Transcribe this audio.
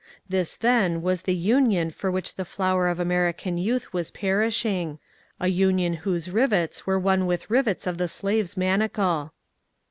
This then was the Union for which the flower of American youth was perishing — a Union whose rivets were one with rivets of the slave's manacle.